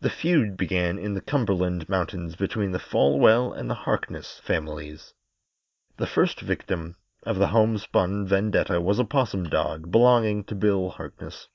The feud began in the Cumberland Mountains between the Folwell and the Harkness families. The first victim of the homespun vendetta was a 'possum dog belonging to Bill Harkness.